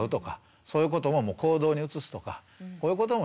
そういうことも行動に移すとかこういうこともして頂くとかね。